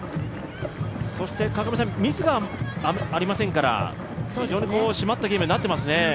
そして川上さん、ミスがありませんから、非常に締まったゲームになってますね。